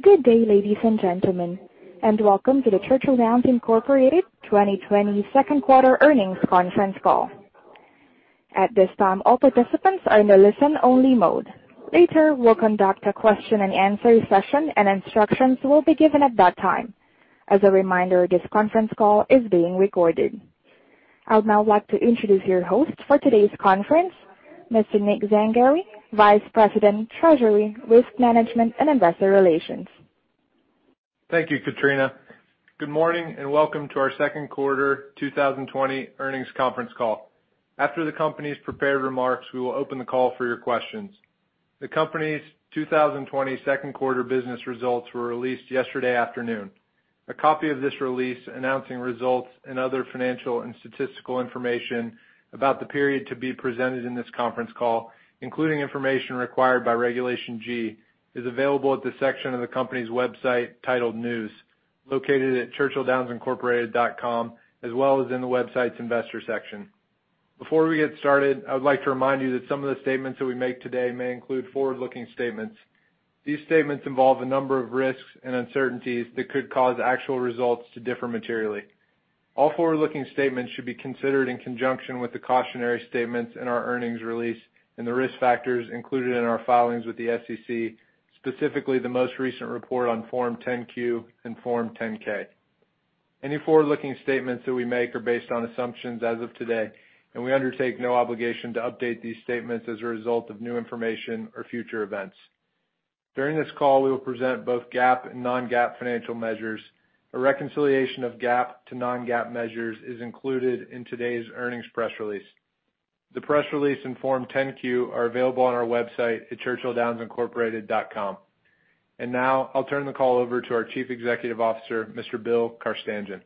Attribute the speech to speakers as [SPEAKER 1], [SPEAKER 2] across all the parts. [SPEAKER 1] Good day, ladies and gentlemen, and welcome to the Churchill Downs Incorporated 2020 Second Quarter Earnings Conference Call. At this time, all participants are in a listen-only mode. Later, we'll conduct a question-and-answer session, and instructions will be given at that time. As a reminder, this conference call is being recorded. I would now like to introduce your host for today's conference, Mr. Nick Zangari, Vice President, Treasury, Risk Management, and Investor Relations.
[SPEAKER 2] Thank you, Katrina. Good morning, and welcome to our second quarter 2020 earnings conference call. After the company's prepared remarks, we will open the call for your questions. The company's 2020 second quarter business results were released yesterday afternoon. A copy of this release announcing results and other financial and statistical information about the period to be presented in this conference call, including information required by Regulation G, is available at the section of the company's website titled News, located at churchilldownsincorporated.com, as well as in the website's investor section. Before we get started, I would like to remind you that some of the statements that we make today may include forward-looking statements. These statements involve a number of risks and uncertainties that could cause actual results to differ materially. All forward-looking statements should be considered in conjunction with the cautionary statements in our earnings release and the risk factors included in our filings with the SEC, specifically the most recent report on Form 10-Q and Form 10-K. Any forward-looking statements that we make are based on assumptions as of today, and we undertake no obligation to update these statements as a result of new information or future events. During this call, we will present both GAAP and non-GAAP financial measures. A reconciliation of GAAP to non-GAAP measures is included in today's earnings press release. The press release and Form 10-Q are available on our website at churchilldownsincorporated.com. And now, I'll turn the call over to our Chief Executive Officer, Mr. Bill Carstanjen.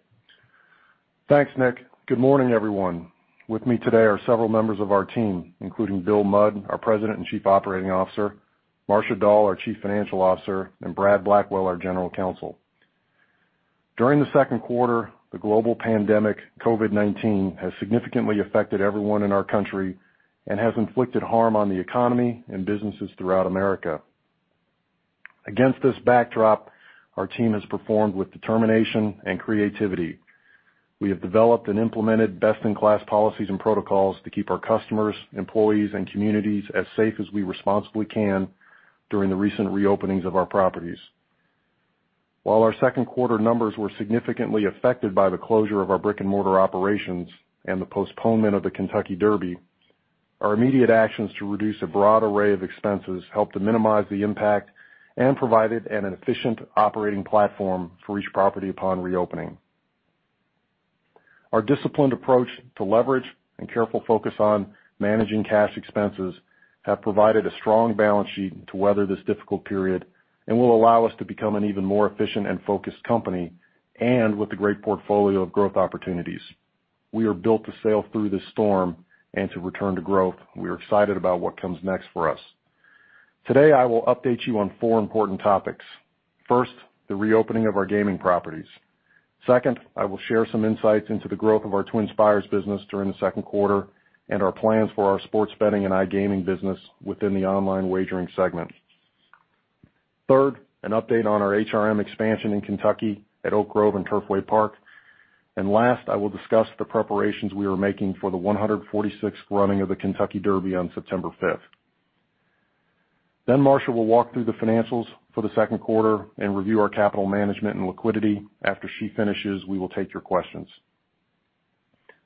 [SPEAKER 3] Thanks, Nick. Good morning, everyone. With me today are several members of our team, including Bill Mudd, our President and Chief Operating Officer, Marcia Dall, our Chief Financial Officer, and Brad Blackwell, our General Counsel. During the second quarter, the global pandemic, COVID-19, has significantly affected everyone in our country and has inflicted harm on the economy and businesses throughout America. Against this backdrop, our team has performed with determination and creativity. We have developed and implemented best-in-class policies and protocols to keep our customers, employees, and communities as safe as we responsibly can during the recent reopenings of our properties. While our second quarter numbers were significantly affected by the closure of our brick-and-mortar operations and the postponement of the Kentucky Derby, our immediate actions to reduce a broad array of expenses helped to minimize the impact and provided an efficient operating platform for each property upon reopening. Our disciplined approach to leverage and careful focus on managing cash expenses have provided a strong balance sheet to weather this difficult period and will allow us to become an even more efficient and focused company, and with a great portfolio of growth opportunities. We are built to sail through this storm and to return to growth. We are excited about what comes next for us. Today, I will update you on four important topics. First, the reopening of our gaming properties. Second, I will share some insights into the growth of our TwinSpires business during the second quarter and our plans for our sports betting and iGaming business within the online wagering segment. Third, an update on our HRM expansion in Kentucky at Oak Grove and Turfway Park. Last, I will discuss the preparations we are making for the 146th running of the Kentucky Derby on September 5th. Then Marcia will walk through the financials for the second quarter and review our capital management and liquidity. After she finishes, we will take your questions.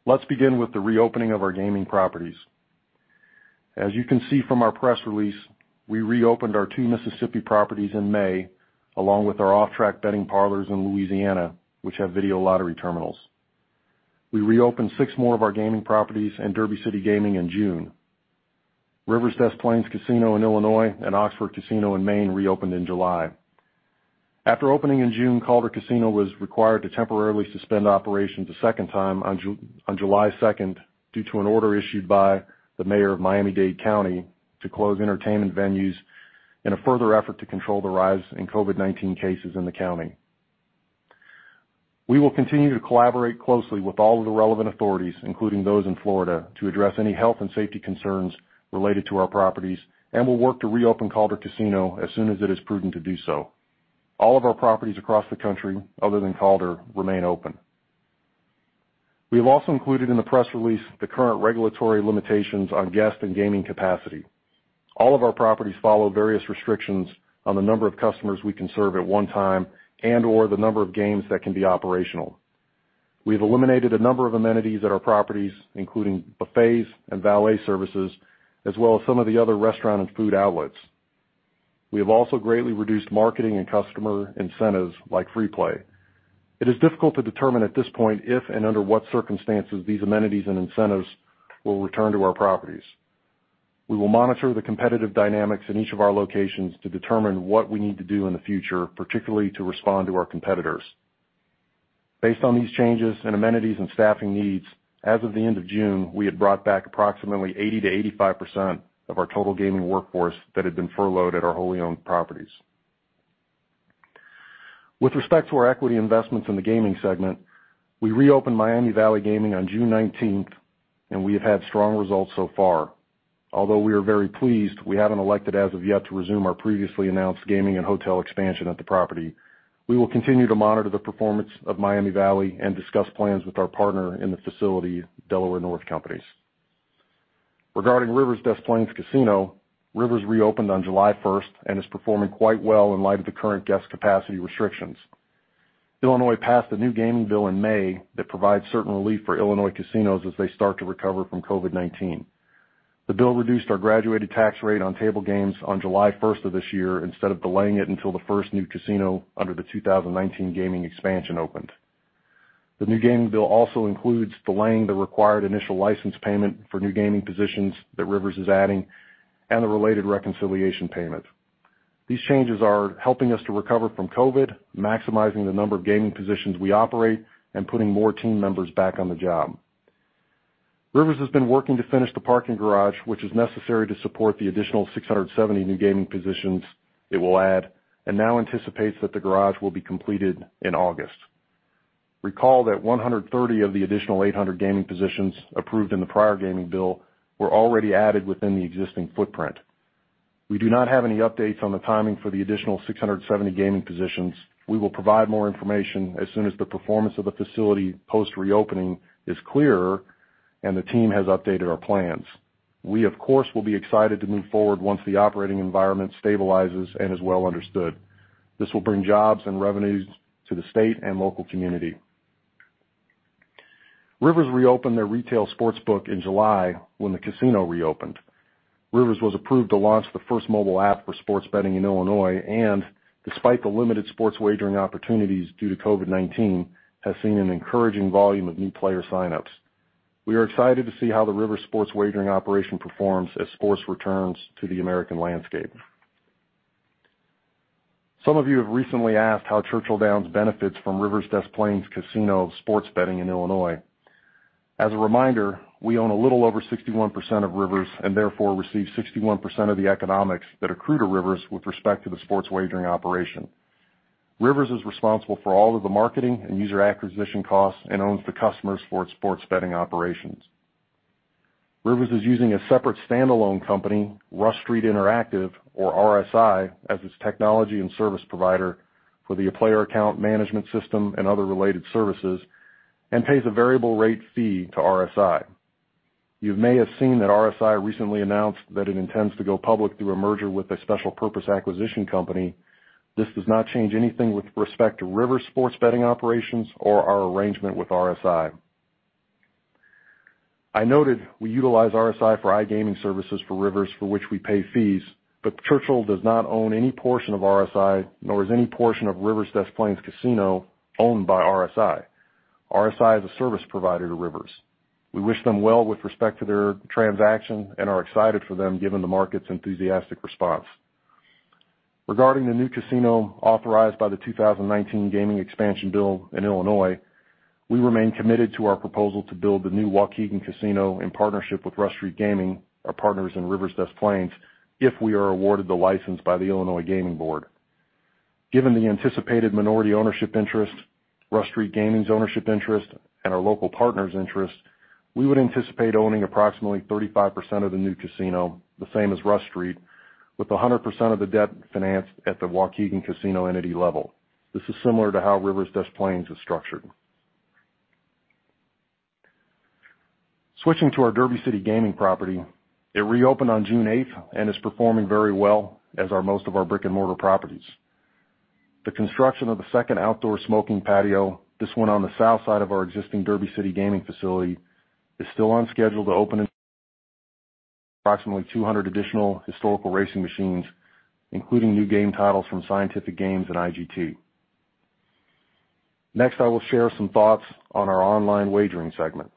[SPEAKER 3] Let's begin with the reopening of our gaming properties. As you can see from our press release, we reopened our two Mississippi properties in May, along with our off-track betting parlors in Louisiana, which have video lottery terminals. We reopened six more of our gaming properties and Derby City Gaming in June. Rivers Des Plaines Casino in Illinois and Oxford Casino in Maine reopened in July. After opening in June, Calder Casino was required to temporarily suspend operations a second time on July second, due to an order issued by the mayor of Miami-Dade County to close entertainment venues in a further effort to control the rise in COVID-19 cases in the county. We will continue to collaborate closely with all of the relevant authorities, including those in Florida, to address any health and safety concerns related to our properties, and will work to reopen Calder Casino as soon as it is prudent to do so. All of our properties across the country, other than Calder, remain open. We have also included in the press release the current regulatory limitations on guest and gaming capacity. All of our properties follow various restrictions on the number of customers we can serve at one time and/or the number of games that can be operational. We have eliminated a number of amenities at our properties, including buffets and valet services, as well as some of the other restaurant and food outlets. We have also greatly reduced marketing and customer incentives, like free play. It is difficult to determine at this point if and under what circumstances these amenities and incentives will return to our properties. We will monitor the competitive dynamics in each of our locations to determine what we need to do in the future, particularly to respond to our competitors. Based on these changes in amenities and staffing needs, as of the end of June, we had brought back approximately 80%-85% of our total gaming workforce that had been furloughed at our wholly owned properties. With respect to our equity investments in the gaming segment, we reopened Miami Valley Gaming on June 19th, and we have had strong results so far. Although we are very pleased, we haven't elected as of yet to resume our previously announced gaming and hotel expansion at the property. We will continue to monitor the performance of Miami Valley and discuss plans with our partner in the facility, Delaware North Companies. Regarding Rivers Des Plaines Casino, Rivers reopened on July 1st and is performing quite well in light of the current guest capacity restrictions. Illinois passed a new gaming bill in May that provides certain relief for Illinois casinos as they start to recover from COVID-19. The bill reduced our graduated tax rate on table games on July 1st of this year, instead of delaying it until the first new casino under the 2019 gaming expansion opened. The new gaming bill also includes delaying the required initial license payment for new gaming positions that Rivers is adding and the related reconciliation payment. These changes are helping us to recover from COVID, maximizing the number of gaming positions we operate, and putting more team members back on the job. Rivers has been working to finish the parking garage, which is necessary to support the additional 670 new gaming positions it will add, and now anticipates that the garage will be completed in August. Recall that 130 of the additional 800 gaming positions approved in the prior gaming bill were already added within the existing footprint. We do not have any updates on the timing for the additional 670 gaming positions. We will provide more information as soon as the performance of the facility post-reopening is clearer and the team has updated our plans. We, of course, will be excited to move forward once the operating environment stabilizes and is well understood. This will bring jobs and revenues to the state and local community. Rivers reopened their retail sportsbook in July when the casino reopened. Rivers was approved to launch the first mobile app for sports betting in Illinois, and despite the limited sports wagering opportunities due to COVID-19, has seen an encouraging volume of new player signups. We are excited to see how the Rivers sports wagering operation performs as sports returns to the American landscape. Some of you have recently asked how Churchill Downs benefits from Rivers Des Plaines Casino sports betting in Illinois. As a reminder, we own a little over 61% of Rivers, and therefore, receive 61% of the economics that accrue to Rivers with respect to the sports wagering operation. Rivers is responsible for all of the marketing and user acquisition costs and owns the customer sports, sports betting operations. Rivers is using a separate standalone company, Rush Street Interactive, or RSI, as its technology and service provider for the player account management system and other related services, and pays a variable rate fee to RSI. You may have seen that RSI recently announced that it intends to go public through a merger with a special purpose acquisition company. This does not change anything with respect to Rivers sports betting operations or our arrangement with RSI. I noted we utilize RSI for iGaming services for Rivers, for which we pay fees, but Churchill does not own any portion of RSI, nor is any portion of Rivers Des Plaines Casino owned by RSI. RSI is a service provider to Rivers. We wish them well with respect to their transaction and are excited for them, given the market's enthusiastic response. Regarding the new casino authorized by the 2019 gaming expansion bill in Illinois, we remain committed to our proposal to build the new Waukegan Casino in partnership with Rush Street Gaming, our partners in Rivers Des Plaines, if we are awarded the license by the Illinois Gaming Board. Given the anticipated minority ownership interest, Rush Street Gaming's ownership interest, and our local partners' interest, we would anticipate owning approximately 35% of the new casino, the same as Rush Street, with 100% of the debt financed at the Waukegan Casino entity level. This is similar to how Rivers Des Plaines is structured. Switching to our Derby City Gaming property, it reopened on June eighth and is performing very well, as are most of our brick-and-mortar properties. The construction of the second outdoor smoking patio, this one on the south side of our existing Derby City Gaming facility, is still on schedule to open in approximately 200 additional historical racing machines, including new game titles from Scientific Games and IGT. Next, I will share some thoughts on our online wagering segment.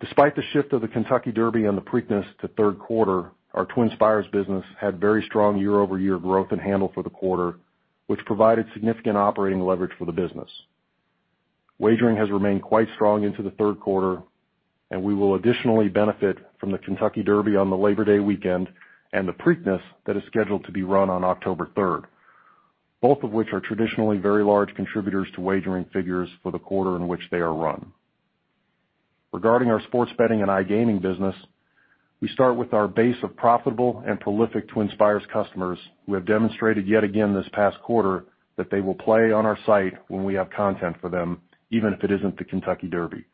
[SPEAKER 3] Despite the shift of the Kentucky Derby and the Preakness to third quarter, our TwinSpires business had very strong year-over-year growth and handle for the quarter, which provided significant operating leverage for the business. Wagering has remained quite strong into the third quarter, and we will additionally benefit from the Kentucky Derby on the Labor Day weekend and the Preakness that is scheduled to be run on October 3rd, both of which are traditionally very large contributors to wagering figures for the quarter in which they are run. Regarding our sports betting and iGaming business, we start with our base of profitable and prolific TwinSpires customers, who have demonstrated yet again this past quarter, that they will play on our site when we have content for them, even if it isn't the Kentucky Derby.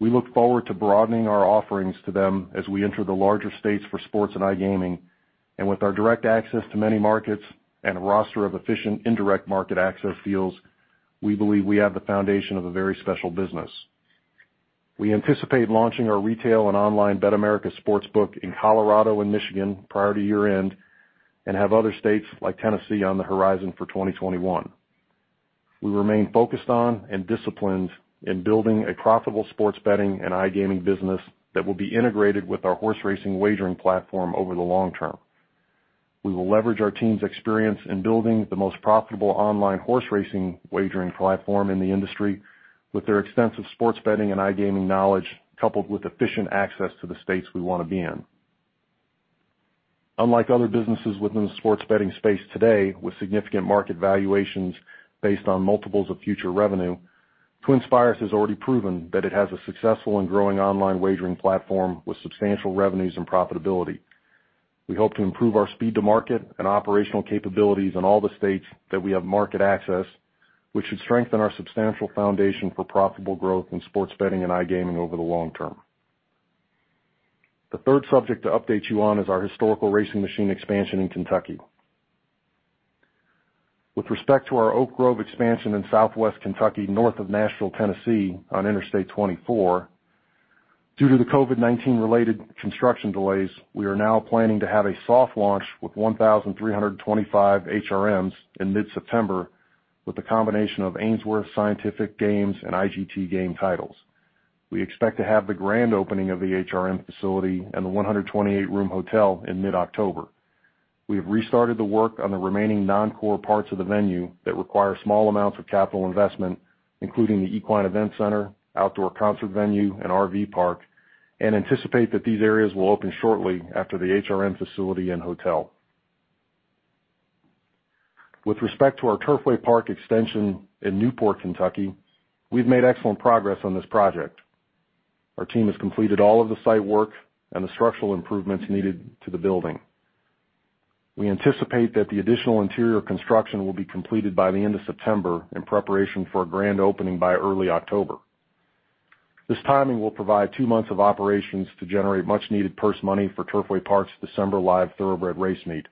[SPEAKER 3] We look forward to broadening our offerings to them as we enter the larger states for sports and iGaming, and with our direct access to many markets and a roster of efficient indirect market access deals, we believe we have the foundation of a very special business. We anticipate launching our retail and online BetAmerica sportsbook in Colorado and Michigan prior to year-end and have other states, like Tennessee, on the horizon for 2021. We remain focused on and disciplined in building a profitable sports betting and iGaming business that will be integrated with our horse racing wagering platform over the long term. We will leverage our team's experience in building the most profitable online horse racing wagering platform in the industry with their extensive sports betting and iGaming knowledge, coupled with efficient access to the states we want to be in. Unlike other businesses within the sports betting space today, with significant market valuations based on multiples of future revenue, TwinSpires has already proven that it has a successful and growing online wagering platform with substantial revenues and profitability. We hope to improve our speed to market and operational capabilities in all the states that we have market access, which should strengthen our substantial foundation for profitable growth in sports betting and iGaming over the long term. The third subject to update you on is our historical racing machine expansion in Kentucky. With respect to our Oak Grove expansion in Southwest Kentucky, north of Nashville, Tennessee, on Interstate 24, due to the COVID-19 related construction delays, we are now planning to have a soft launch with 1,325 HRMs in mid-September, with a combination of Ainsworth, Scientific Games, and IGT game titles. We expect to have the grand opening of the HRM facility and the 128-room hotel in mid-October. We have restarted the work on the remaining non-core parts of the venue that require small amounts of capital investment, including the equine event center, outdoor concert venue, and RV park, and anticipate that these areas will open shortly after the HRM facility and hotel. With respect to our Turfway Park extension in Newport, Kentucky, we've made excellent progress on this project. Our team has completed all of the site work and the structural improvements needed to the building. We anticipate that the additional interior construction will be completed by the end of September, in preparation for a grand opening by early October. This timing will provide 2 months of operations to generate much-needed purse money for Turfway Park's December live thoroughbred race meet.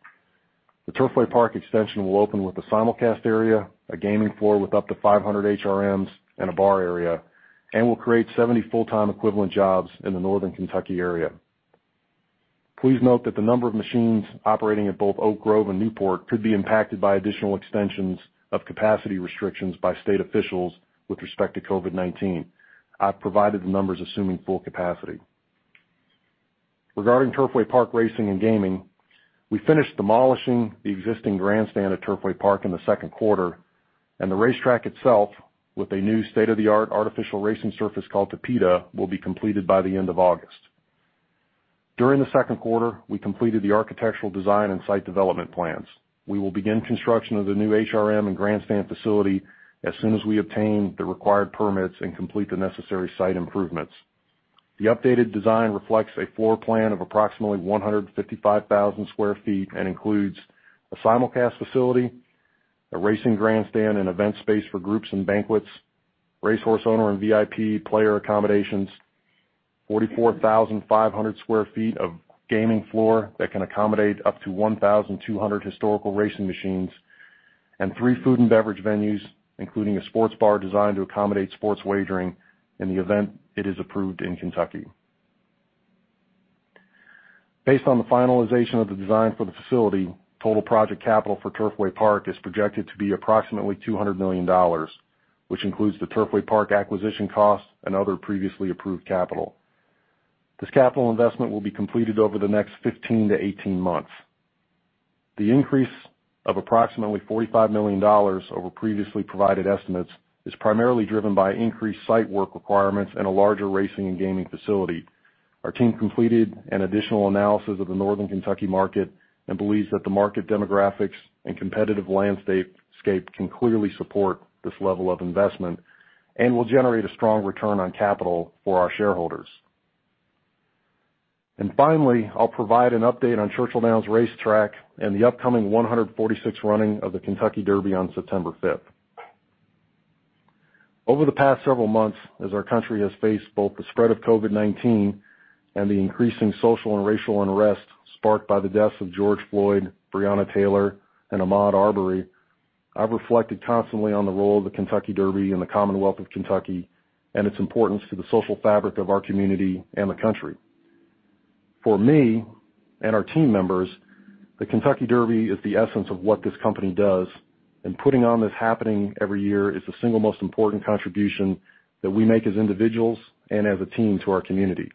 [SPEAKER 3] The Turfway Park extension will open with a simulcast area, a gaming floor with up to 500 HRMs, and a bar area, and will create 70 full-time equivalent jobs in the Northern Kentucky area. Please note that the number of machines operating at both Oak Grove and Newport could be impacted by additional extensions of capacity restrictions by state officials with respect to COVID-19. I've provided the numbers assuming full capacity. Regarding Turfway Park Racing and Gaming, we finished demolishing the existing grandstand at Turfway Park in the second quarter, and the racetrack itself, with a new state-of-the-art artificial racing surface called Tapeta, will be completed by the end of August. During the second quarter, we completed the architectural design and site development plans. We will begin construction of the new HRM and grandstand facility as soon as we obtain the required permits and complete the necessary site improvements. The updated design reflects a floor plan of approximately 155,000 sq ft and includes a simulcast facility, a racing grandstand and event space for groups and banquets, racehorse owner and VIP player accommodations, 44,500 sq ft of gaming floor that can accommodate up to 1,200 historical racing machines, and three food and beverage venues, including a sports bar designed to accommodate sports wagering in the event it is approved in Kentucky. Based on the finalization of the design for the facility, total project capital for Turfway Park is projected to be approximately $200 million, which includes the Turfway Park acquisition costs and other previously approved capital. This capital investment will be completed over the next 15-18 months. The increase of approximately $45 million over previously provided estimates is primarily driven by increased site work requirements and a larger racing and gaming facility. Our team completed an additional analysis of the Northern Kentucky market and believes that the market demographics and competitive landscape can clearly support this level of investment and will generate a strong return on capital for our shareholders. Finally, I'll provide an update on Churchill Downs Racetrack and the upcoming 146th running of the Kentucky Derby on September 5th. Over the past several months, as our country has faced both the spread of COVID-19 and the increasing social and racial unrest sparked by the deaths of George Floyd, Breonna Taylor, and Ahmaud Arbery, I've reflected constantly on the role of the Kentucky Derby in the Commonwealth of Kentucky and its importance to the social fabric of our community and the country. For me and our team members, the Kentucky Derby is the essence of what this company does, and putting on this happening every year is the single most important contribution that we make as individuals and as a team to our community.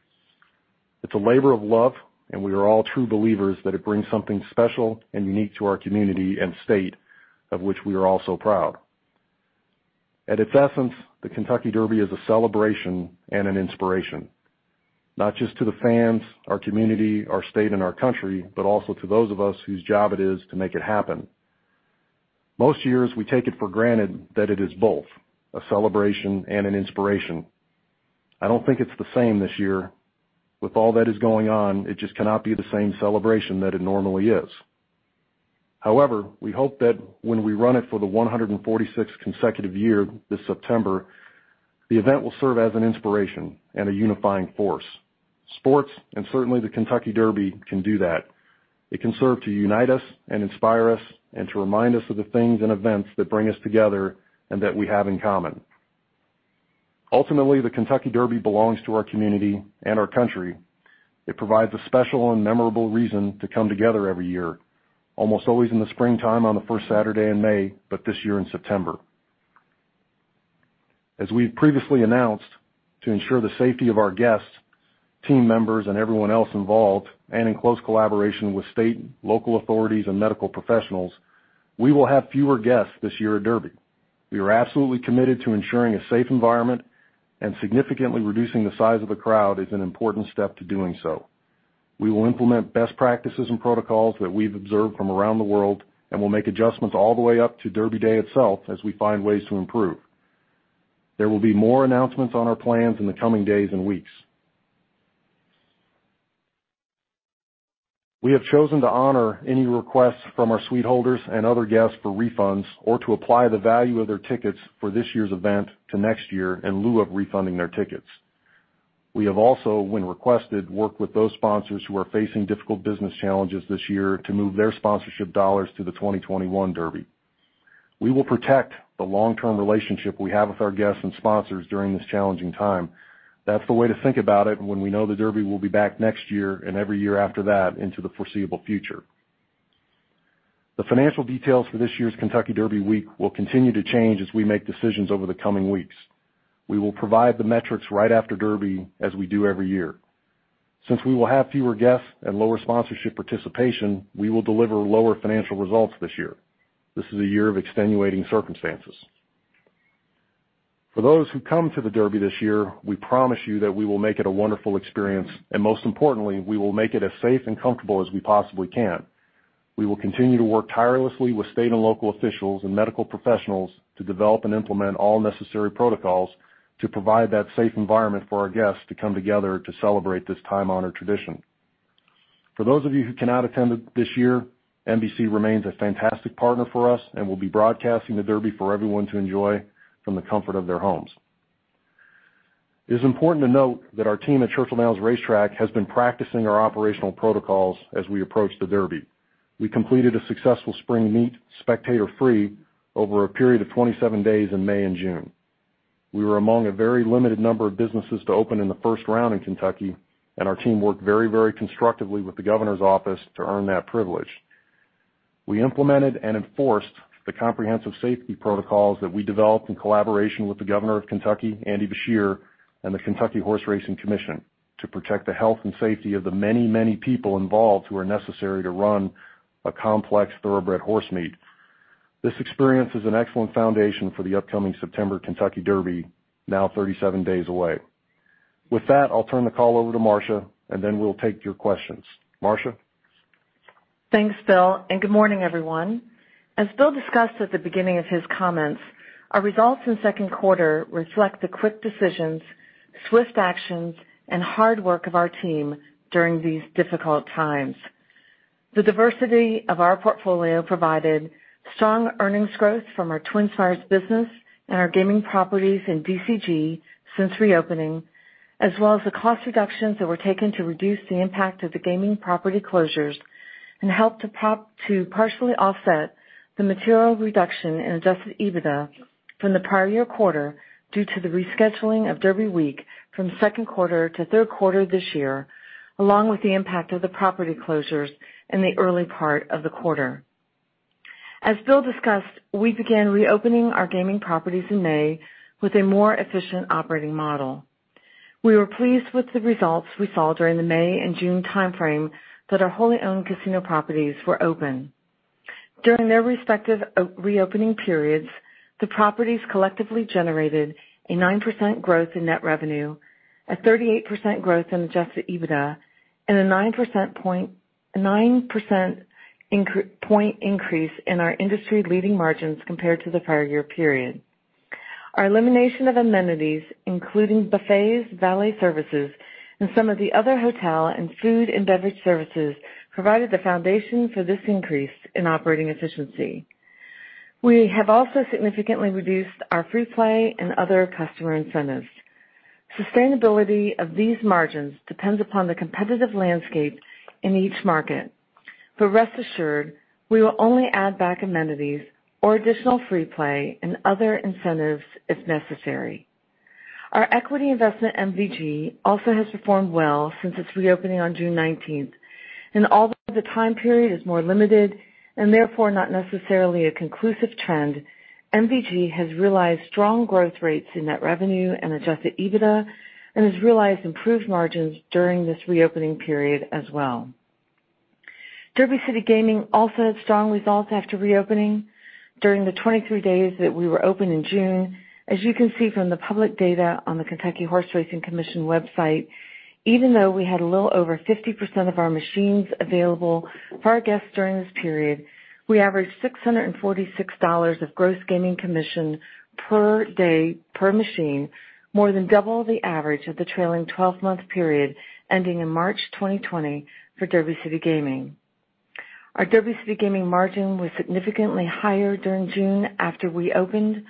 [SPEAKER 3] It's a labor of love, and we are all true believers that it brings something special and unique to our community and state, of which we are all so proud. At its essence, the Kentucky Derby is a celebration and an inspiration, not just to the fans, our community, our state, and our country, but also to those of us whose job it is to make it happen. Most years, we take it for granted that it is both a celebration and an inspiration. I don't think it's the same this year. With all that is going on, it just cannot be the same celebration that it normally is. However, we hope that when we run it for the 146th consecutive year this September, the event will serve as an inspiration and a unifying force. Sports, and certainly the Kentucky Derby, can do that. It can serve to unite us and inspire us, and to remind us of the things and events that bring us together and that we have in common. Ultimately, the Kentucky Derby belongs to our community and our country. It provides a special and memorable reason to come together every year, almost always in the springtime on the first Saturday in May, but this year in September. As we've previously announced, to ensure the safety of our guests, team members, and everyone else involved, and in close collaboration with state, local authorities, and medical professionals, we will have fewer guests this year at Derby. We are absolutely committed to ensuring a safe environment, and significantly reducing the size of the crowd is an important step to doing so. We will implement best practices and protocols that we've observed from around the world, and we'll make adjustments all the way up to Derby Day itself as we find ways to improve. There will be more announcements on our plans in the coming days and weeks. We have chosen to honor any requests from our suite holders and other guests for refunds, or to apply the value of their tickets for this year's event to next year in lieu of refunding their tickets. We have also, when requested, worked with those sponsors who are facing difficult business challenges this year to move their sponsorship dollars to the 2021 Derby. We will protect the long-term relationship we have with our guests and sponsors during this challenging time. That's the way to think about it when we know the Derby will be back next year and every year after that into the foreseeable future. The financial details for this year's Kentucky Derby Week will continue to change as we make decisions over the coming weeks. We will provide the metrics right after Derby, as we do every year. Since we will have fewer guests and lower sponsorship participation, we will deliver lower financial results this year. This is a year of extenuating circumstances. For those who come to the Derby this year, we promise you that we will make it a wonderful experience, and most importantly, we will make it as safe and comfortable as we possibly can. We will continue to work tirelessly with state and local officials and medical professionals to develop and implement all necessary protocols to provide that safe environment for our guests to come together to celebrate this time-honored tradition. For those of you who cannot attend it this year, NBC remains a fantastic partner for us and will be broadcasting the Derby for everyone to enjoy from the comfort of their homes. It is important to note that our team at Churchill Downs Racetrack has been practicing our operational protocols as we approach the Derby. We completed a successful spring meet, spectator-free, over a period of 27 days in May and June. We were among a very limited number of businesses to open in the first round in Kentucky, and our team worked very, very constructively with the governor's office to earn that privilege. We implemented and enforced the comprehensive safety protocols that we developed in collaboration with the governor of Kentucky, Andy Beshear, and the Kentucky Horse Racing Commission, to protect the health and safety of the many, many people involved who are necessary to run a complex thoroughbred horse meet. This experience is an excellent foundation for the upcoming September Kentucky Derby, now 37 days away. With that, I'll turn the call over to Marcia, and then we'll take your questions. Marcia?
[SPEAKER 4] Thanks, Bill, and good morning, everyone. As Bill discussed at the beginning of his comments, our results in second quarter reflect the quick decisions, swift actions, and hard work of our team during these difficult times. The diversity of our portfolio provided strong earnings growth from our TwinSpires business and our gaming properties in DCG since reopening, as well as the cost reductions that were taken to reduce the impact of the gaming property closures and helped to partially offset the material reduction in adjusted EBITDA from the prior year quarter due to the rescheduling of Derby Week from second quarter to third quarter this year, along with the impact of the property closures in the early part of the quarter. As Bill discussed, we began reopening our gaming properties in May with a more efficient operating model. We were pleased with the results we saw during the May and June time frame that our wholly owned casino properties were open. During their respective reopening periods, the properties collectively generated a 9% growth in net revenue, a 38% growth in Adjusted EBITDA, and a 9% point increase in our industry-leading margins compared to the prior year period. Our elimination of amenities, including buffets, valet services, and some of the other hotel and food and beverage services, provided the foundation for this increase in operating efficiency. We have also significantly reduced our Free Play and other customer incentives. Sustainability of these margins depends upon the competitive landscape in each market, but rest assured, we will only add back amenities or additional Free Play and other incentives if necessary. Our equity investment, MVG, also has performed well since its reopening on June 19th. Although the time period is more limited and therefore not necessarily a conclusive trend, MVG has realized strong growth rates in net revenue and Adjusted EBITDA, and has realized improved margins during this reopening period as well. Derby City Gaming also had strong results after reopening during the 23 days that we were open in June. As you can see from the public data on the Kentucky Horse Racing Commission website, even though we had a little over 50% of our machines available for our guests during this period, we averaged $646 of Gross Gaming Commission per day per machine, more than double the average of the trailing 12-month period ending in March 2020 for Derby City Gaming. Our Derby City Gaming margin was significantly higher during June after we opened.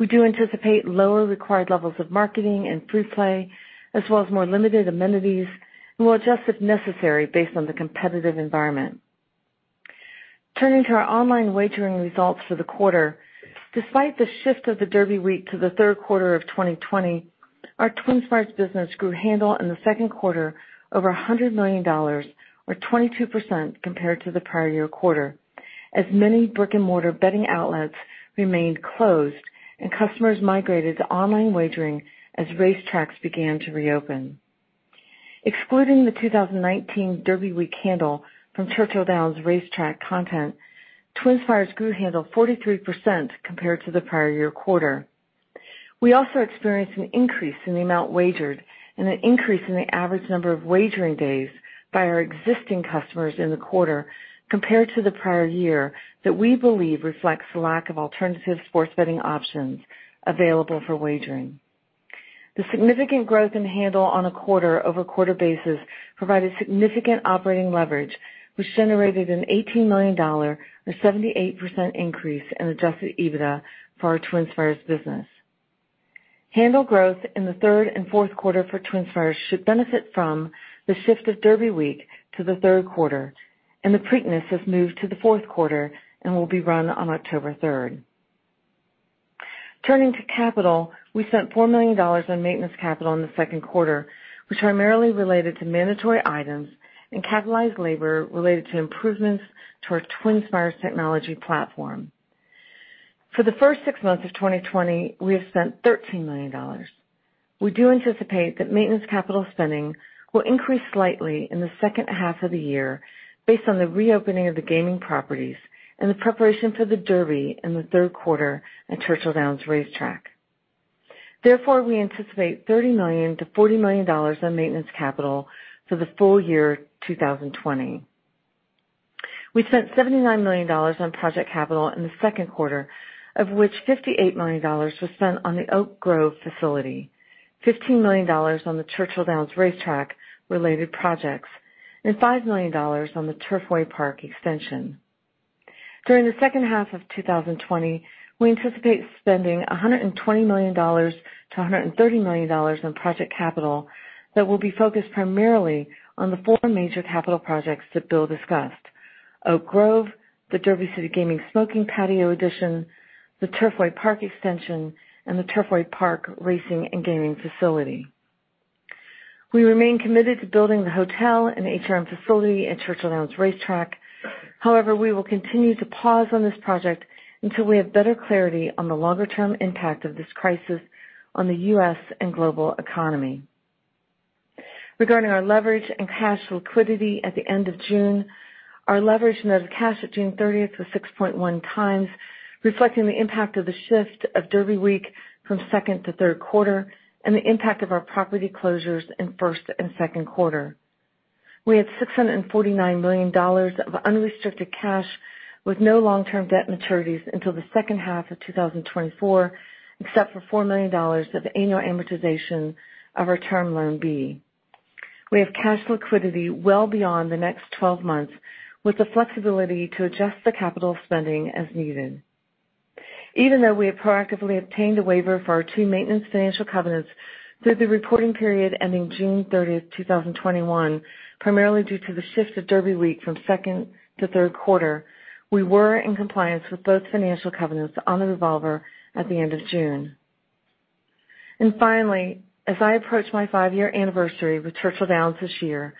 [SPEAKER 4] We do anticipate lower required levels of marketing and free play, as well as more limited amenities, and we'll adjust if necessary based on the competitive environment. Turning to our online wagering results for the quarter, despite the shift of the Derby week to the third quarter of 2020, our TwinSpires business grew handle in the second quarter over $100 million, or 22% compared to the prior year quarter, as many brick-and-mortar betting outlets remained closed and customers migrated to online wagering as racetracks began to reopen, excluding the 2019 Derby week handle from Churchill Downs Racetrack content, TwinSpires grew handle 43% compared to the prior year quarter. We also experienced an increase in the amount wagered and an increase in the average number of wagering days by our existing customers in the quarter compared to the prior year, that we believe reflects the lack of alternative sports betting options available for wagering. The significant growth in handle on a quarter-over-quarter basis provided significant operating leverage, which generated an $18 million, or 78% increase in adjusted EBITDA for our TwinSpires business. Handle growth in the third and fourth quarter for TwinSpires should benefit from the shift of Derby week to the third quarter, and the Preakness has moved to the fourth quarter and will be run on October 3rd. Turning to capital, we spent $4 million on maintenance capital in the second quarter, which primarily related to mandatory items and capitalized labor related to improvements to our TwinSpires technology platform. For the first six months of 2020, we have spent $13 million. We do anticipate that maintenance capital spending will increase slightly in the second half of the year based on the reopening of the gaming properties and the preparation for the Derby in the third quarter at Churchill Downs Racetrack. Therefore, we anticipate $30 million-$40 million on maintenance capital for the full year 2020. We spent $79 million on project capital in the second quarter, of which $58 million was spent on the Oak Grove facility, $15 million on the Churchill Downs Racetrack-related projects, and $5 million on the Turfway Park extension. During the second half of 2020, we anticipate spending $120 million-$130 million on project capital that will be focused primarily on the four major capital projects that Bill discussed: Oak Grove, the Derby City Gaming smoking patio addition, the Turfway Park extension, and the Turfway Park racing and gaming facility. We remain committed to building the hotel and HRM facility at Churchill Downs Racetrack. However, we will continue to pause on this project until we have better clarity on the longer-term impact of this crisis on the U.S. and global economy. Regarding our leverage and cash liquidity at the end of June, our leverage net of cash at June 30 was 6.1 times, reflecting the impact of the shift of Derby week from second to third quarter and the impact of our property closures in first and second quarter. We had $649 million of unrestricted cash, with no long-term debt maturities until the second half of 2024, except for $4 million of annual amortization of our Term Loan B. We have cash liquidity well beyond the next 12 months, with the flexibility to adjust the capital spending as needed. Even though we have proactively obtained a waiver for our two maintenance financial covenants through the reporting period ending June 30th, 2021, primarily due to the shift of Derby Week from second to third quarter, we were in compliance with both financial covenants on the revolver at the end of June. And finally, as I approach my 5-year anniversary with Churchill Downs this year,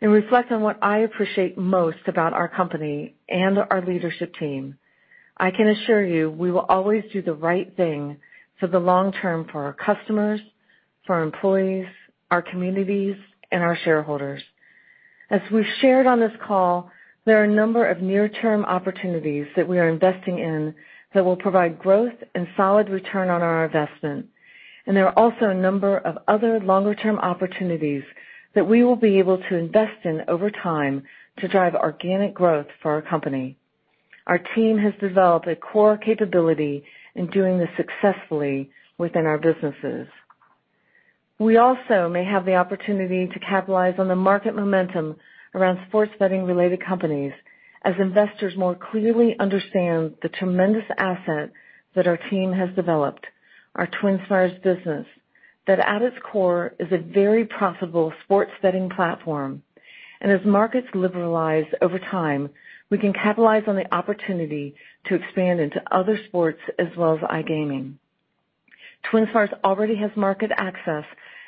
[SPEAKER 4] and reflect on what I appreciate most about our company and our leadership team, I can assure you, we will always do the right thing for the long term for our customers, for our employees, our communities, and our shareholders. As we've shared on this call, there are a number of near-term opportunities that we are investing in that will provide growth and solid return on our investment. There are also a number of other longer-term opportunities that we will be able to invest in over time to drive organic growth for our company. Our team has developed a core capability in doing this successfully within our businesses. We also may have the opportunity to capitalize on the market momentum around sports betting-related companies, as investors more clearly understand the tremendous asset that our team has developed, our TwinSpires business, that at its core, is a very profitable sports betting platform. And as markets liberalize over time, we can capitalize on the opportunity to expand into other sports as well as iGaming. TwinSpires already has market access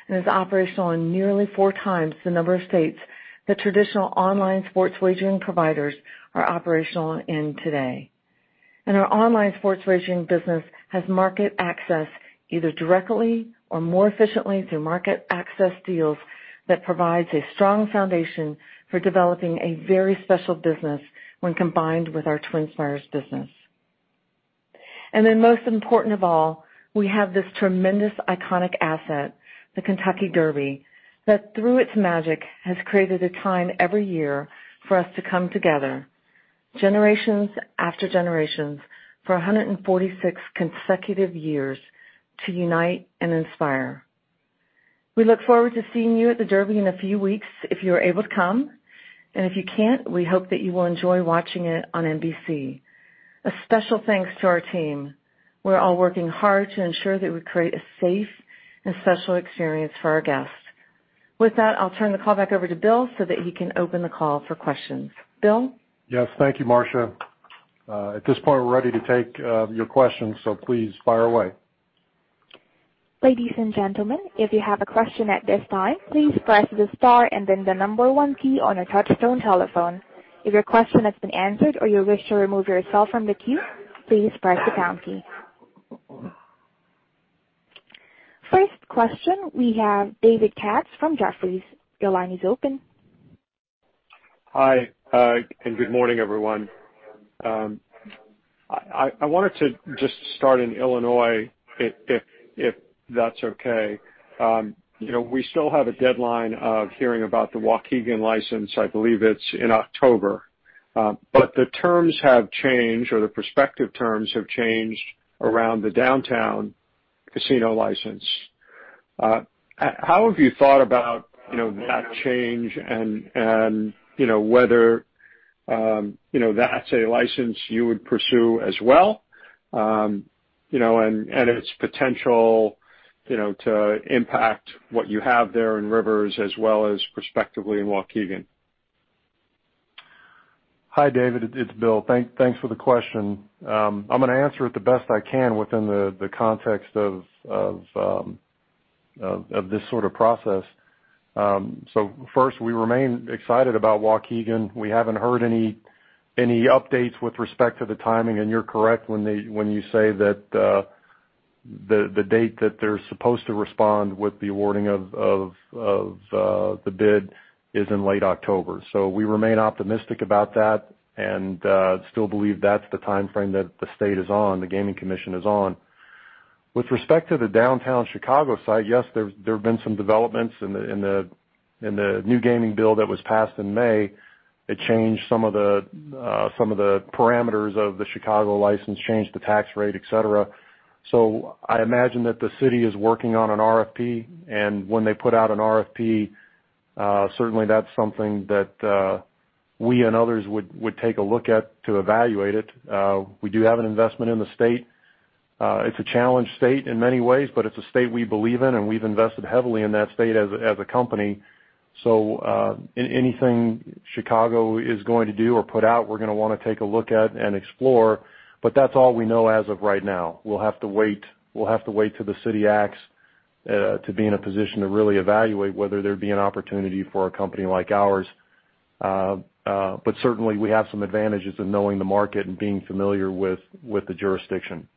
[SPEAKER 4] and is operational in nearly four times the number of states that traditional online sports wagering providers are operational in today. Our online sports wagering business has market access, either directly or more efficiently, through market access deals that provides a strong foundation for developing a very special business when combined with our TwinSpires business. Then, most important of all, we have this tremendous iconic asset, the Kentucky Derby, that, through its magic, has created a time every year for us to come together, generations after generations, for 146 consecutive years, to unite and inspire. We look forward to seeing you at the Derby in a few weeks if you are able to come, and if you can't, we hope that you will enjoy watching it on NBC. A special thanks to our team. We're all working hard to ensure that we create a safe and special experience for our guests. With that, I'll turn the call back over to Bill so that he can open the call for questions. Bill?
[SPEAKER 3] Yes, thank you, Marcia. At this point, we're ready to take your questions, so please fire away.
[SPEAKER 1] Ladies and gentlemen, if you have a question at this time, please press the star and then the number one key on your touchtone telephone. If your question has been answered or you wish to remove yourself from the queue, please press the pound key. First question, we have David Katz from Jefferies. Your line is open.
[SPEAKER 5] Hi, and good morning, everyone. I wanted to just start in Illinois, if that's okay. You know, we still have a deadline of hearing about the Waukegan license, I believe it's in October. But the terms have changed, or the prospective terms have changed around the downtown casino license. How have you thought about, you know, that change and, you know, whether, you know, that's a license you would pursue as well, you know, and its potential, you know, to impact what you have there in Rivers as well as prospectively in Waukegan?
[SPEAKER 3] Hi, David, it's Bill. Thanks for the question. I'm going to answer it the best I can within the context of this sort of process. So first, we remain excited about Waukegan. We haven't heard any updates with respect to the timing, and you're correct when you say that the date that they're supposed to respond with the awarding of the bid is in late October. So we remain optimistic about that and still believe that's the timeframe that the state is on, the Gaming Commission is on. With respect to the downtown Chicago site, yes, there have been some developments in the new gaming bill that was passed in May. It changed some of the parameters of the Chicago license, changed the tax rate, et cetera. So I imagine that the city is working on an RFP, and when they put out an RFP, certainly that's something that we and others would take a look at to evaluate it. We do have an investment in the state. It's a challenged state in many ways, but it's a state we believe in, and we've invested heavily in that state as a company. So, anything Chicago is going to do or put out, we're going to want to take a look at and explore. But that's all we know as of right now. We'll have to wait, we'll have to wait till the city acts, to be in a position to really evaluate whether there'd be an opportunity for a company like ours. But certainly we have some advantages in knowing the market and being familiar with the jurisdiction.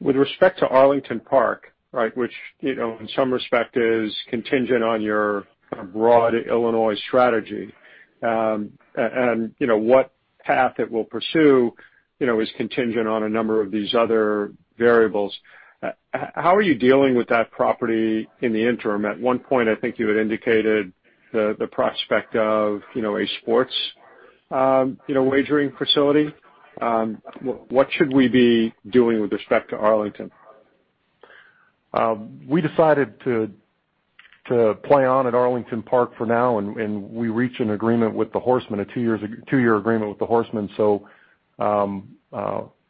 [SPEAKER 5] With respect to Arlington Park, right, which, you know, in some respect is contingent on your broad Illinois strategy, and, you know, what path it will pursue, you know, is contingent on a number of these other variables. How are you dealing with that property in the interim? At one point, I think you had indicated the prospect of, you know, a sports, you know, wagering facility. What should we be doing with respect to Arlington?
[SPEAKER 3] We decided to play on at Arlington Park for now, and we reached an agreement with the horsemen, a two-year agreement with the horsemen. So, we're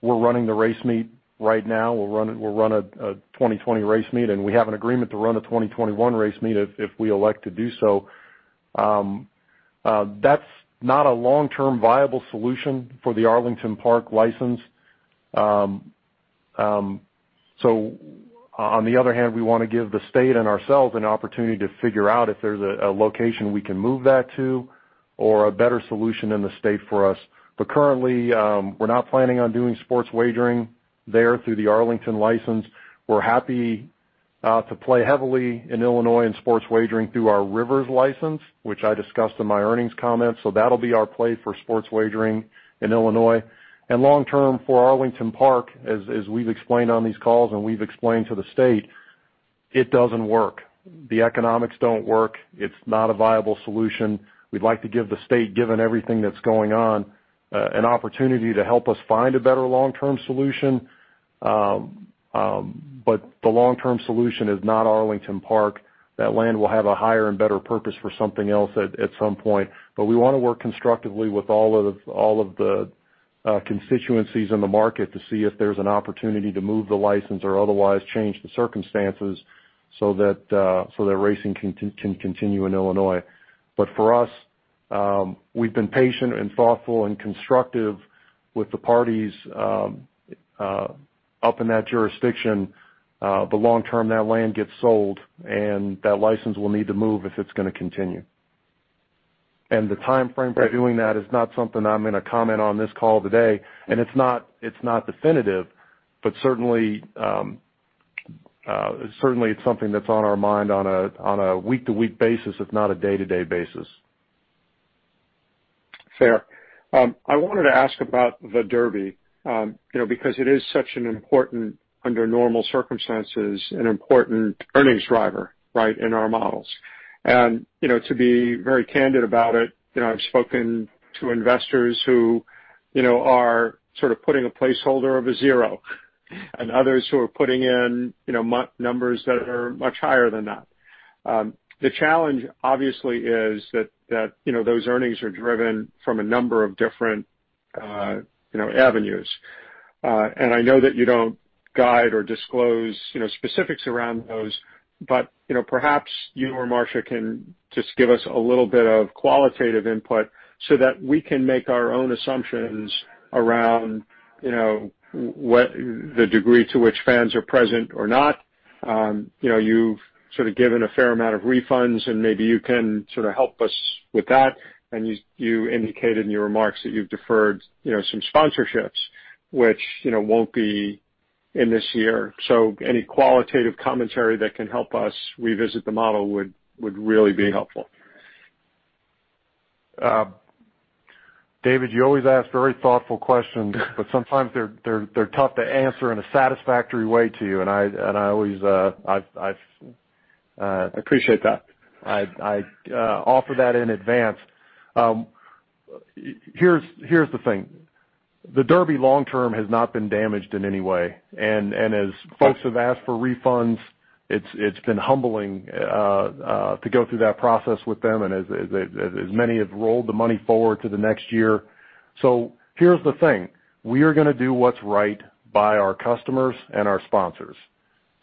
[SPEAKER 3] running the race meet right now. We'll run a 2020 race meet, and we have an agreement to run a 2021 race meet if we elect to do so. That's not a long-term viable solution for the Arlington Park license. So on the other hand, we want to give the state and ourselves an opportunity to figure out if there's a location we can move that to or a better solution in the state for us. But currently, we're not planning on doing sports wagering there through the Arlington license. We're happy to play heavily in Illinois and sports wagering through our Rivers license, which I discussed in my earnings comments. So that'll be our play for sports wagering in Illinois. And long term for Arlington Park, as we've explained on these calls and we've explained to the state, it doesn't work. The economics don't work. It's not a viable solution. We'd like to give the state, given everything that's going on, an opportunity to help us find a better long-term solution. But the long-term solution is not Arlington Park. That land will have a higher and better purpose for something else at some point. But we want to work constructively with all of the constituencies in the market to see if there's an opportunity to move the license or otherwise change the circumstances so that racing can continue in Illinois. But for us, we've been patient and thoughtful and constructive with the parties up in that jurisdiction. But long term, that land gets sold, and that license will need to move if it's going to continue. And the timeframe for doing that is not something I'm going to comment on this call today, and it's not definitive, but certainly it's something that's on our mind on a week-to-week basis, if not a day-to-day basis.
[SPEAKER 5] Fair. I wanted to ask about the Derby, you know, because it is such an important, under normal circumstances, an important earnings driver, right, in our models. You know, to be very candid about it, you know, I've spoken to investors who, you know, are sort of putting a placeholder of a zero, and others who are putting in, you know, numbers that are much higher than that. The challenge, obviously, is that, you know, those earnings are driven from a number of different, you know, avenues. And I know that you don't guide or disclose, you know, specifics around those, but, you know, perhaps you or Marcia can just give us a little bit of qualitative input so that we can make our own assumptions around, you know, what the degree to which fans are present or not? You know, you've sort of given a fair amount of refunds, and maybe you can sort of help us with that. You indicated in your remarks that you've deferred, you know, some sponsorships, which, you know, won't be in this year. Any qualitative commentary that can help us revisit the model would really be helpful.
[SPEAKER 3] David, you always ask very thoughtful questions, but sometimes they're tough to answer in a satisfactory way to you, and I always, I've.
[SPEAKER 5] I appreciate that.
[SPEAKER 3] I offer that in advance. Here's the thing, the Derby long term has not been damaged in any way, and as folks have asked for refunds, it's been humbling to go through that process with them, and as many have rolled the money forward to the next year. So here's the thing: we are gonna do what's right by our customers and our sponsors.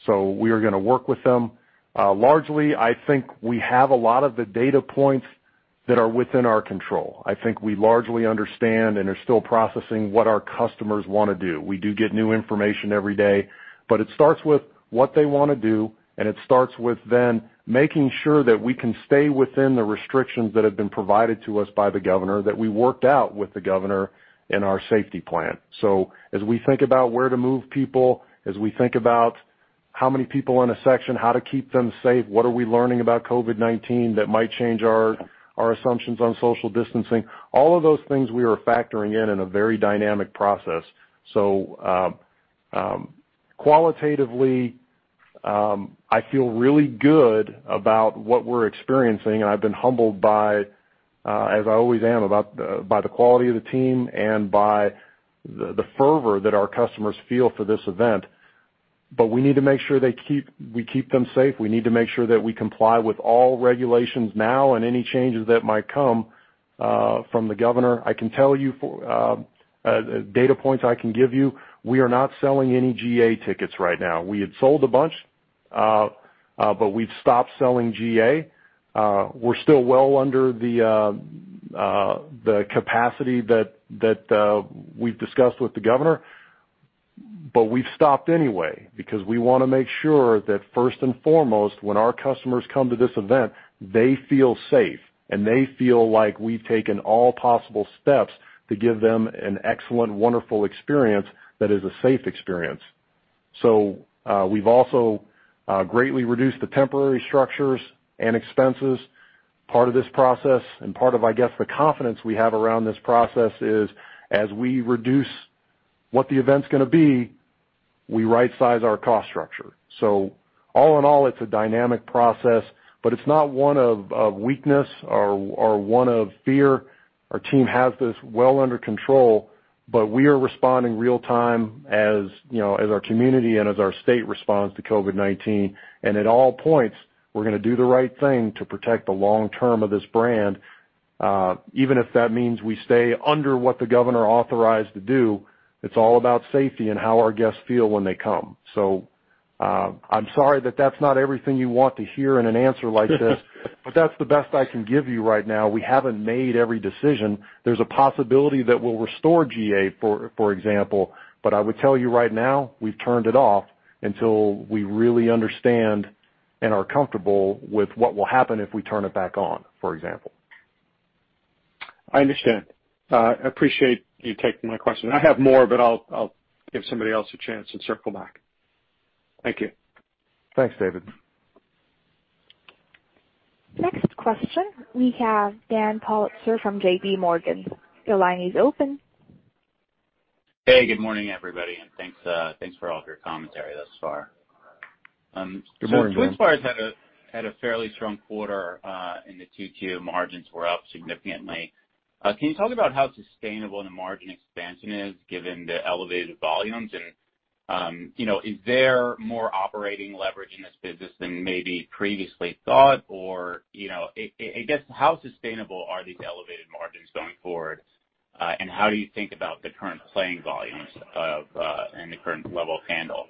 [SPEAKER 3] So we are gonna work with them. Largely, I think we have a lot of the data points that are within our control. I think we largely understand and are still processing what our customers wanna do. We do get new information every day, but it starts with what they wanna do, and it starts with then making sure that we can stay within the restrictions that have been provided to us by the governor, that we worked out with the governor in our safety plan. So as we think about where to move people, as we think about how many people in a section, how to keep them safe, what are we learning about COVID-19 that might change our, our assumptions on social distancing? All of those things we are factoring in in a very dynamic process. So, qualitatively, I feel really good about what we're experiencing, and I've been humbled by, as I always am, about the, by the quality of the team and by the, the fervor that our customers feel for this event. But we need to make sure we keep them safe. We need to make sure that we comply with all regulations now and any changes that might come from the governor. I can tell you for data points I can give you, we are not selling any GA tickets right now. We had sold a bunch, but we've stopped selling GA. We're still well under the capacity that we've discussed with the governor, but we've stopped anyway because we wanna make sure that first and foremost, when our customers come to this event, they feel safe, and they feel like we've taken all possible steps to give them an excellent, wonderful experience that is a safe experience. So, we've also greatly reduced the temporary structures and expenses. Part of this process, and part of, I guess, the confidence we have around this process is, as we reduce what the event's gonna be, we rightsize our cost structure. So all in all, it's a dynamic process, but it's not one of weakness or one of fear. Our team has this well under control, but we are responding real time, as, you know, as our community and as our state responds to COVID-19. And at all points, we're gonna do the right thing to protect the long term of this brand, even if that means we stay under what the governor authorized to do. It's all about safety and how our guests feel when they come. So, I'm sorry that that's not everything you want to hear in an answer like this, but that's the best I can give you right now. We haven't made every decision. There's a possibility that we'll restore GA, for example, but I would tell you right now, we've turned it off until we really understand and are comfortable with what will happen if we turn it back on, for example.
[SPEAKER 5] I understand. I appreciate you taking my question. I have more, but I'll give somebody else a chance and circle back. Thank you.
[SPEAKER 3] Thanks, David.
[SPEAKER 1] Next question, we have Dan Politzer from JP Morgan. Your line is open.
[SPEAKER 6] Hey, good morning, everybody, and thanks, thanks for all of your commentary thus far.
[SPEAKER 3] Good morning, Dan.
[SPEAKER 6] So TwinSpires had a fairly strong quarter in the Q2. Margins were up significantly. Can you tell me about how sustainable the margin expansion is given the elevated volumes? And, you know, is there more operating leverage in this business than maybe previously thought? Or, you know, I guess, how sustainable are these elevated margins going forward, and how do you think about the current playing volumes and the current level of handle?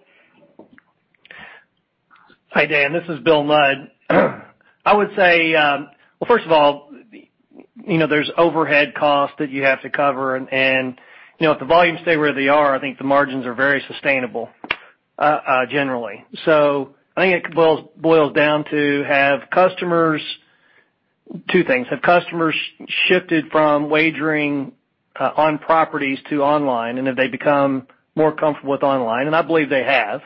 [SPEAKER 7] Hi, Dan, this is Bill Mudd. I would say, well, first of all, you know, there's overhead costs that you have to cover, and, you know, if the volumes stay where they are, I think the margins are very sustainable, generally. So I think it boils down to, have customers. Two things: Have customers shifted from wagering on properties to online, and have they become more comfortable with online? And I believe they have.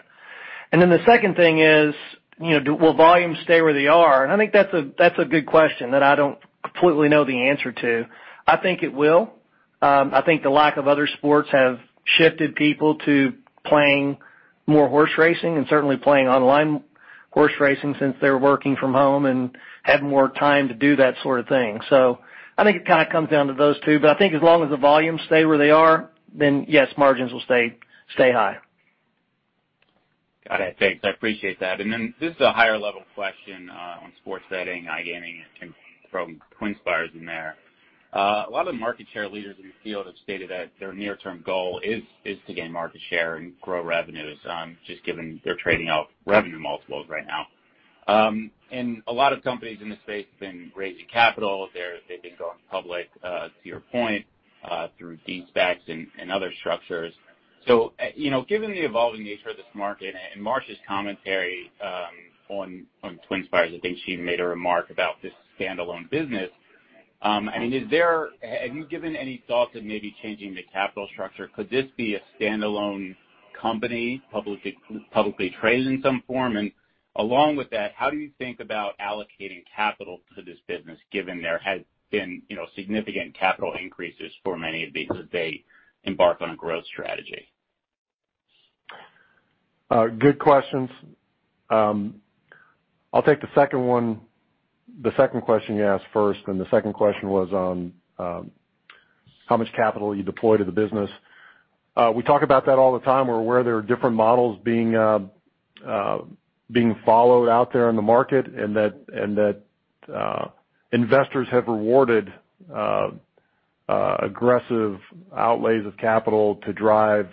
[SPEAKER 7] And then the second thing is, you know, will volumes stay where they are? And I think that's a good question that I don't completely know the answer to. I think it will. I think the lack of other sports have shifted people to playing more horse racing and certainly playing online horse racing since they're working from home and have more time to do that sort of thing. So I think it kind of comes down to those two, but IMthink as long as the volumes stay where they are, then yes, margins will stay high.
[SPEAKER 6] Got it. Thanks, I appreciate that. And then this is a higher level question on sports betting, iGaming, and you can throw TwinSpires in there. A lot of the market share leaders in the field have stated that their near-term goal is to gain market share and grow revenues, just given they're trading out revenue multiples right now. And a lot of companies in this space have been raising capital. They've been going public, to your point, through de-SPACs and other structures. So, you know, given the evolving nature of this market and Marcia's commentary on TwinSpires, I think she made a remark about this standalone business. I mean, have you given any thought to maybe changing the capital structure? Could this be a standalone company, publicly traded in some form? Along with that, how do you think about allocating capital to this business, given there has been, you know, significant capital increases for many of these as they embark on a growth strategy?
[SPEAKER 3] Good questions. I'll take the second one, the second question you asked first, and the second question was on how much capital you deploy to the business. We talk about that all the time. We're aware there are different models being followed out there in the market, and that investors have rewarded aggressive outlays of capital to drive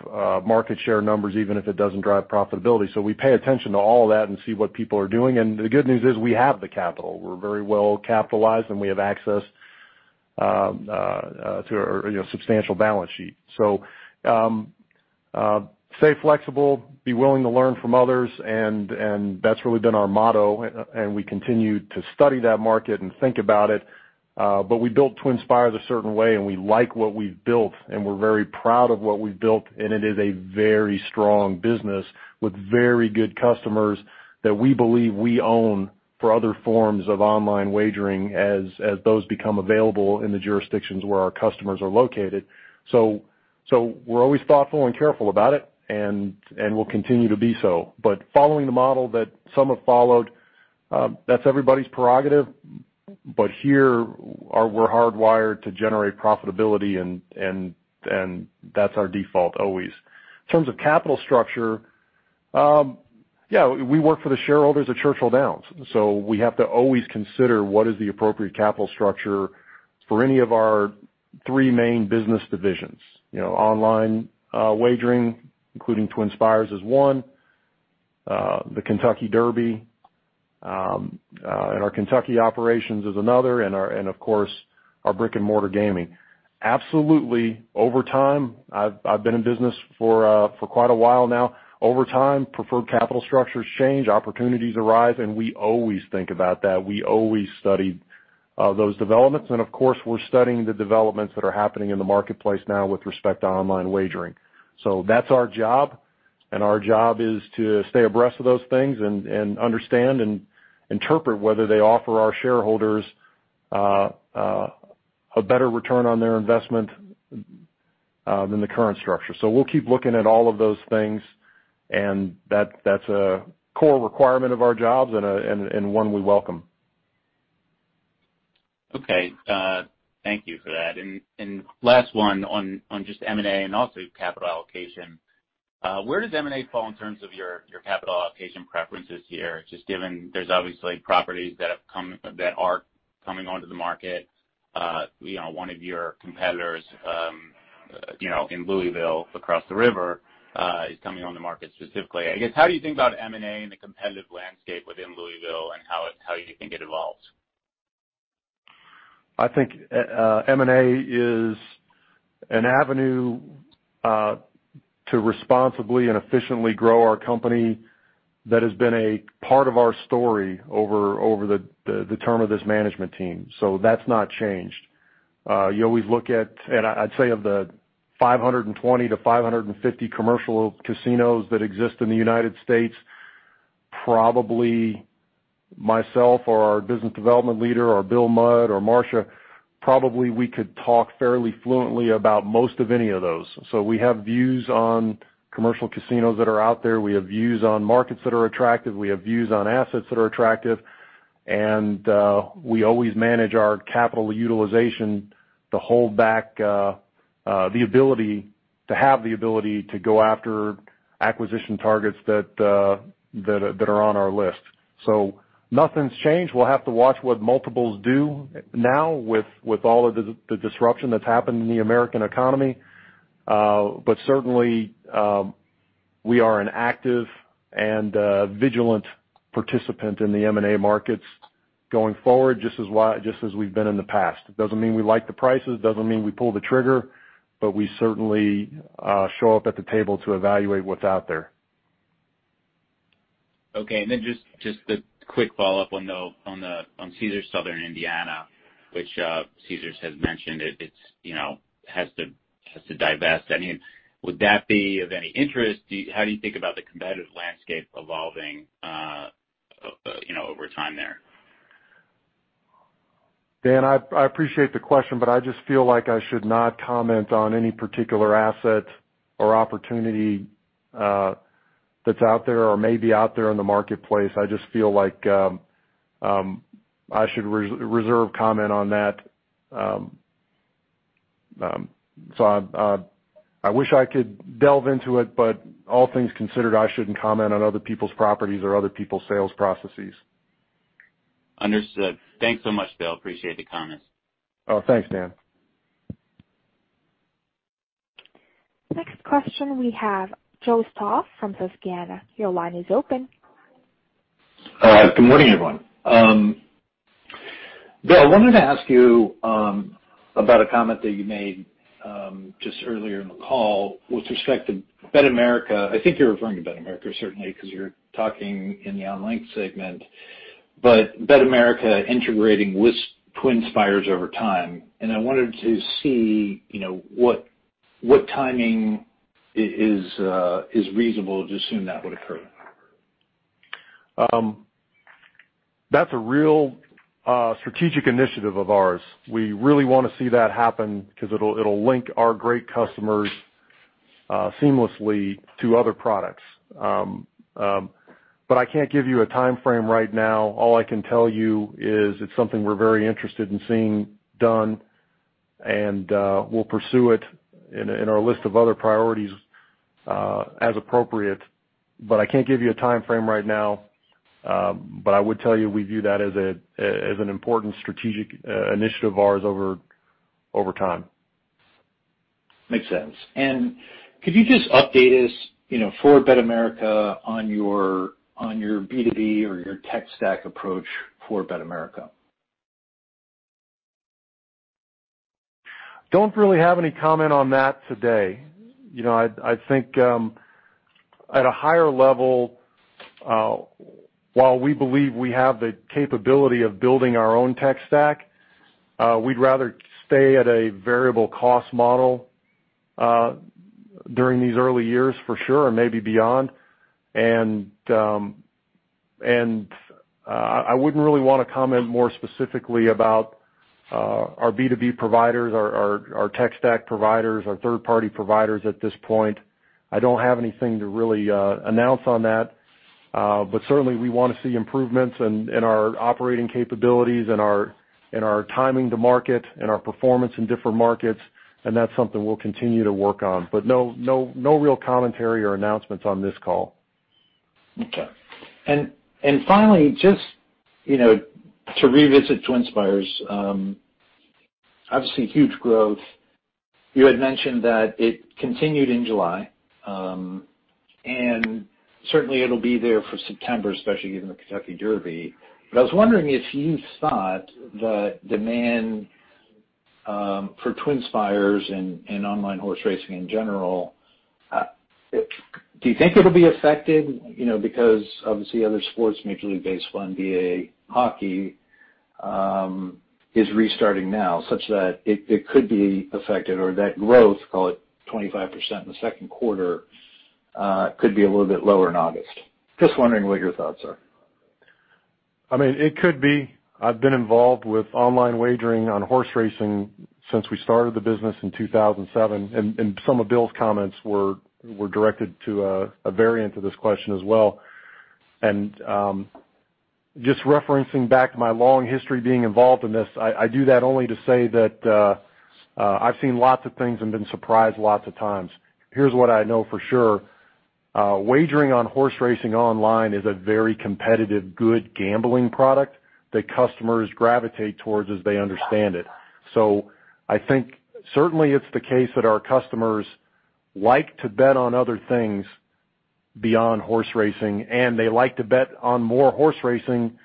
[SPEAKER 3] market share numbers, even if it doesn't drive profitability. So we pay attention to all that and see what people are doing. And the good news is we have the capital. We're very well capitalized, and we have access to our, you know, substantial balance sheet. So, stay flexible, be willing to learn from others, and that's really been our motto, and we continue to study that market and think about it, but we built TwinSpires a certain way, and we like what we've built, and we're very proud of what we've built. And it is a very strong business with very good customers that we believe we own for other forms of online wagering as those become available in the jurisdictions where our customers are located. So, we're always thoughtful and careful about it, and we'll continue to be so. But following the model that some have followed, that's everybody's prerogative. But here, we're hardwired to generate profitability, and that's our default always. In terms of capital structure, we work for the shareholders at Churchill Downs, so we have to always consider what is the appropriate capital structure for any of our three main business divisions. You know, online wagering, including TwinSpires, is one, the Kentucky Derby and our Kentucky operations is another, and of course, our brick-and-mortar gaming. Absolutely, over time, I've been in business for quite a while now. Over time, preferred capital structures change, opportunities arise, and we always think about that. We always study those developments, and of course, we're studying the developments that are happening in the marketplace now with respect to online wagering. So that's our job, and our job is to stay abreast of those things and understand and interpret whether they offer our shareholders a better return on their investment than the current structure. So we'll keep looking at all of those things, and that's a core requirement of our jobs and one we welcome.
[SPEAKER 6] Okay, thank you for that. And last one on just M&A and also capital allocation. Where does M&A fall in terms of your capital allocation preferences here? Just given there's obviously properties that have come, that are coming onto the market. You know, one of your competitors, you know, in Louisville, across the river, is coming on the market specifically. I guess, how do you think about M&A and the competitive landscape within Louisville and how it, how you think it evolves?
[SPEAKER 3] I think M&A is an avenue to responsibly and efficiently grow our company. That has been a part of our story over the term of this management team, so that's not changed. You always look at. And I'd say of the 520-550 commercial casinos that exist in the United States, probably myself or our business development leader or Bill Mudd or Marcia, probably we could talk fairly fluently about most of any of those. So we have views on commercial casinos that are out there. We have views on markets that are attractive. We have views on assets that are attractive, and we always manage our capital utilization to hold back the ability to have the ability to go after acquisition targets that are on our list. So nothing's changed. We'll have to watch what multiples do now with all of the disruption that's happened in the American economy. But certainly, we are an active and vigilant participant in the M&A markets going forward, just as we've been in the past. It doesn't mean we like the prices, doesn't mean we pull the trigger, but we certainly show up at the table to evaluate what's out there.
[SPEAKER 6] Okay, and then just a quick follow-up on the Caesars Southern Indiana, which Caesars has mentioned it, it's, you know, has to divest. I mean, would that be of any interest? Do you how do you think about the competitive landscape evolving, you know, over time there?
[SPEAKER 3] Dan, I appreciate the question, but I just feel like I should not comment on any particular asset or opportunity that's out there or may be out there in the marketplace. I just feel like I should reserve comment on that. So I wish I could delve into it, but all things considered, I shouldn't comment on other people's properties or other people's sales processes.
[SPEAKER 6] Understood. Thanks so much, Bill. Appreciate the comments.
[SPEAKER 3] Oh, thanks, Dan.
[SPEAKER 1] Question, we have Joe Stauff from Susquehanna. Your line is open.
[SPEAKER 8] Good morning, everyone. Bill, I wanted to ask you about a comment that you made just earlier in the call with respect to BetAmerica. I think you were referring to BetAmerica, certainly, 'cause you're talking in the online segment, but BetAmerica integrating with TwinSpires over time, and I wanted to see, you know, what timing is reasonable to assume that would occur?
[SPEAKER 3] That's a real strategic initiative of ours. We really wanna see that happen because it'll link our great customers seamlessly to other products. But I can't give you a timeframe right now. All I can tell you is it's something we're very interested in seeing done, and we'll pursue it in our list of other priorities as appropriate. But I can't give you a timeframe right now, but I would tell you we view that as an important strategic initiative of ours over time.
[SPEAKER 8] Makes sense. Could you just update us, you know, for BetAmerica, on your, on your B2B or your tech stack approach for BetAmerica?
[SPEAKER 3] Don't really have any comment on that today. You know, I think, at a higher level, while we believe we have the capability of building our own tech stack, we'd rather stay at a variable cost model, during these early years for sure, and maybe beyond. And, I wouldn't really want to comment more specifically about our B2B providers, our tech stack providers, our third-party providers at this point. I don't have anything to really announce on that, but certainly we wanna see improvements in our operating capabilities and our timing to market and our performance in different markets, and that's something we'll continue to work on. But no, no, no real commentary or announcements on this call.
[SPEAKER 8] Okay. And, and finally, just, you know, to revisit TwinSpires, obviously huge growth. You had mentioned that it continued in July, and certainly it'll be there for September, especially given the Kentucky Derby. But I was wondering if you thought the demand, for TwinSpires and, and online horse racing in general, do you think it'll be affected? You know, because obviously, other sports, Major League Baseball, NBA, hockey, is restarting now such that it, it could be affected or that growth, call it 25% in the second quarter, could be a little bit lower in August. Just wondering what your thoughts are.
[SPEAKER 3] I mean, it could be. I've been involved with online wagering on horse racing since we started the business in 2007, and some of Bill's comments were directed to a variant of this question as well. And just referencing back to my long history being involved in this, I do that only to say that I've seen lots of things and been surprised lots of times. Here's what I know for sure: wagering on horse racing online is a very competitive, good gambling product that customers gravitate towards as they understand it. So I think certainly it's the case that our customers like to bet on other things beyond horse racing, and they like to bet on more horse racing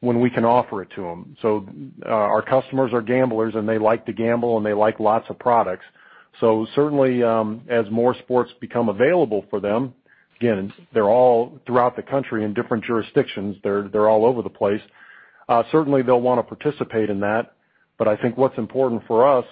[SPEAKER 3] when we can offer it to them. So, our customers are gamblers, and they like to gamble, and they like lots of products. So certainly, as more sports become available for them, again, they're all throughout the country in different jurisdictions. They're, they're all over the place. Certainly, they'll wanna participate in that, but I think what's important for us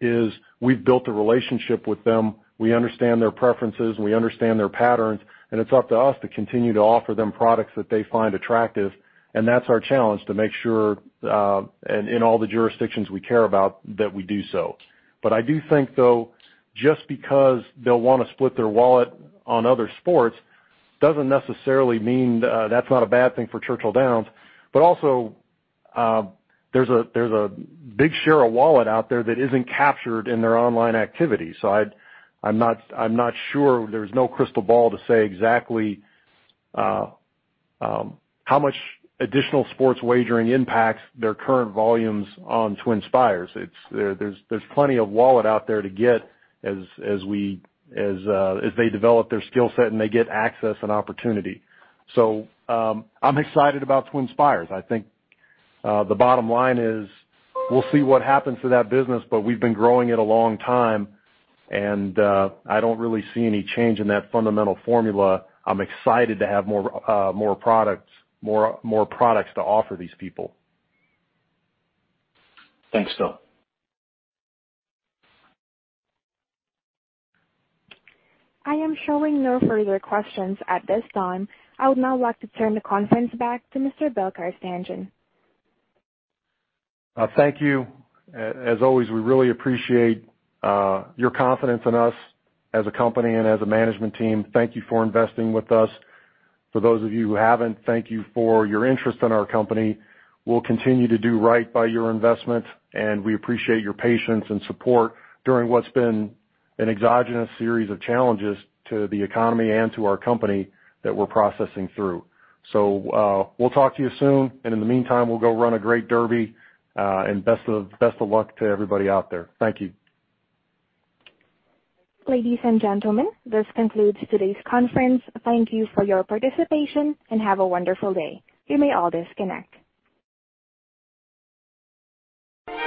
[SPEAKER 3] is we've built a relationship with them. We understand their preferences, and we understand their patterns, and it's up to us to continue to offer them products that they find attractive, and that's our challenge, to make sure, and in all the jurisdictions we care about, that we do so. But I do think, though, just because they'll wanna split their wallet on other sports doesn't necessarily mean, that's not a bad thing for Churchill Downs. But also, there's a big share of wallet out there that isn't captured in their online activity. So I'm not sure. There's no crystal ball to say exactly how much additional sports wagering impacts their current volumes on TwinSpires. There's plenty of wallet out there to get as they develop their skill set, and they get access and opportunity. So, I'm excited about TwinSpires. I think the bottom line is, we'll see what happens to that business, but we've been growing it a long time, and I don't really see any change in that fundamental formula. I'm excited to have more products to offer these people.
[SPEAKER 8] Thanks, Bill.
[SPEAKER 1] I am showing no further questions at this time. I would now like to turn the conference back to Mr. Bill Carstanjen.
[SPEAKER 3] Thank you. As always, we really appreciate your confidence in us as a company and as a management team. Thank you for investing with us. For those of you who haven't, thank you for your interest in our company. We'll continue to do right by your investment, and we appreciate your patience and support during what's been an exogenous series of challenges to the economy and to our company that we're processing through. So, we'll talk to you soon, and in the meantime, we'll go run a great Derby, and best of, best of luck to everybody out there. Thank you.
[SPEAKER 1] Ladies and gentlemen, this concludes today's conference. Thank you for your participation, and have a wonderful day. You may all disconnect.